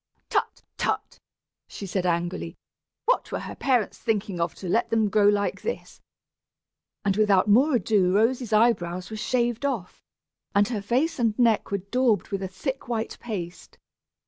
"Tut, tut," she said, angrily; "what were her parents thinking of to let them grow like this?" And without more ado Rosy's eyebrows were shaved off, and her face and neck were daubed with a thick white paste.